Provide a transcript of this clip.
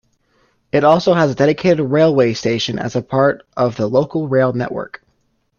It also has a dedicated railway station as part of the local rail network.